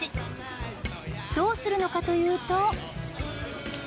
どうするのかというと。